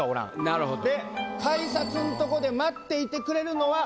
なるほど。